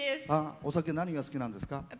お酒何が好きなんですか？